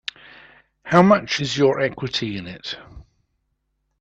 How much is your equity in it?